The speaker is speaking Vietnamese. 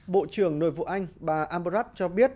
bộ trưởng nội vụ anh bà ambrat cho biết